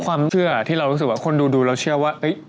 ความเชื่อที่เรารู้สึกว่าคนดูเราเชื่อว่า